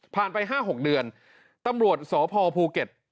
ไป๕๖เดือนตำรวจสพภูเก็ต